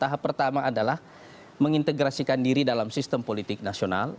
tahap pertama adalah mengintegrasikan diri dalam sistem politik nasional